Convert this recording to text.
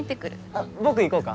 あっ僕行こうか？